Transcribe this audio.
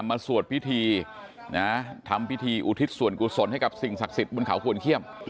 สวดพิธีนะทำพิธีอุทิศส่วนกุศลให้กับสิ่งศักดิ์สิทธิ์บนเขาขวนเขี้ยม